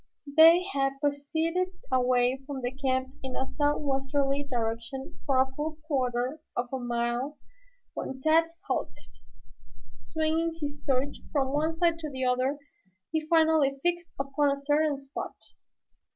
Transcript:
They had proceeded away from the camp in a southwesterly direction for a full quarter of a mile when Tad halted. Swinging his torch from one side to the other he finally fixed upon a certain spot.